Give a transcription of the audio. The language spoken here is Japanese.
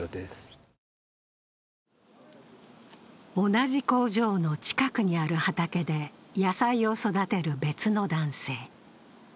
同じ工場の近くにある畑で野菜を育てる別の男性。